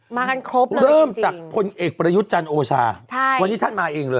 มากันครบแล้วจริง